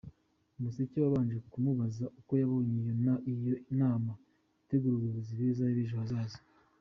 Umuseke wabanje kumubaza uko yabonye iyo nama itegura abayobozi beza b’ejo hazaza.